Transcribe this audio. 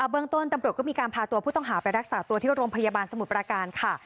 เบื้องต้นตำรวจก็มีการพาตัวผู้ต้องหาไปรักษาตัวที่โรงพยาบาลสมุทรประการค่ะ